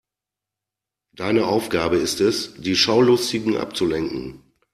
Deine Aufgabe ist es, die Schaulustigen abzulenken.